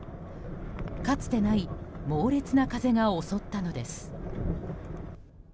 かつてない猛烈な風が襲ったのです。